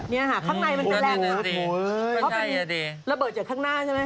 เนี่ยฮะข้างในมันแรกนะครับเพราะมีระเบิดจากข้างหน้าใช่ไหมฮะ